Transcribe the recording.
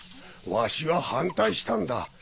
わしは反対したんだ。